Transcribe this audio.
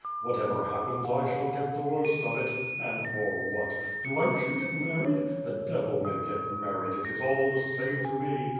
Whatever happens I shall get the worst of it. And for what? Do I wish to get married? The Devil may get married, it is all the same to me.